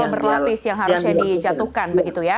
atau berlapis yang harusnya dijatuhkan begitu ya